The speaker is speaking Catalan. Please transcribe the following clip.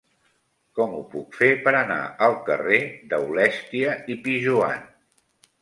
Com ho puc fer per anar al carrer d'Aulèstia i Pijoan?